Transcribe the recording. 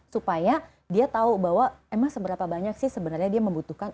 supaya dia tahu bahwa emang seberapa banyak sih sebenarnya dia membutuhkan